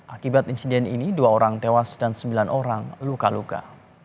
akibat insiden ini dua orang tewas dan sembilan orang luka luka